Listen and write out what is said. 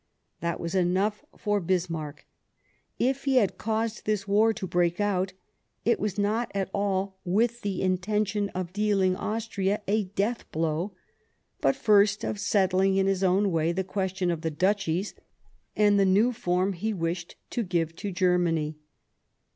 That was enough for 90 Sadowa Bismarck, If he had caused this war to break out, it was not at all with the intention of dealing Austria a death blow, but first of settling in his own way the question of the Duchies and the new form he wished to give to Germany.